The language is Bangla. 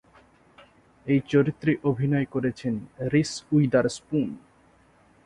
এই চরিত্রে অভিনয় করেছেন রিস উইদারস্পুন।